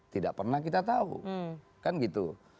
tidak pernah kita tahu